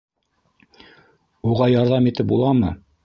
Уға... ярҙам итеп буламы?